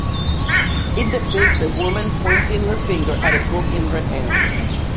It depicts a woman pointing her finger at a book in her hands.